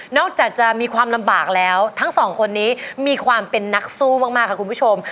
อกจากจะมีความลำบากแล้วทั้งสองคนนี้มีความเป็นนักสู้มากค่ะคุณผู้ชม